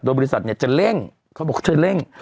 โดยบริษัทจะเร่งเขาบอกจะเร่ง